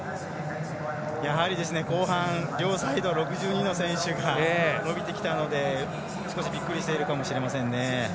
やはり後半両サイド６２の選手が伸びてきたので少しびっくりしているかもしれないですね。